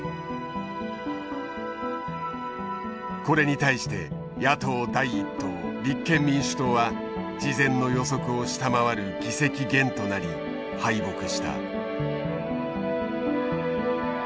これに対して野党第一党立憲民主党は事前の予測を下回る議席減となり敗北した。